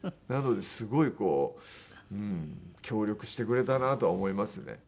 なのですごいこう協力してくれたなとは思いますね。